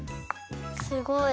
すごい！